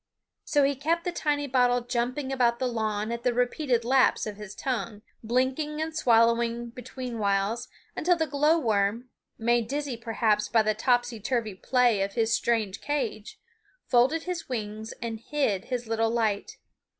So he kept the tiny bottle jumping about the lawn at the repeated laps of his tongue, blinking and swallowing betweenwhiles until the glow worm, made dizzy perhaps by the topsy turvy play of his strange cage, folded his wings and hid his little light.